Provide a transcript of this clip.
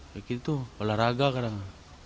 ya gitu olahraga kadang